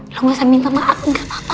lo gak usah minta maaf enggak apa apa